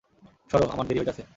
সরো, আমার দেরি হইতাসে।